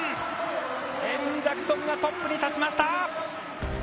エリン・ジャクソンがトップに立ちました。